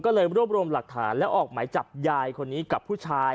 ก็เลยรวบรวมหลักฐานแล้วออกหมายจับยายคนนี้กับผู้ชาย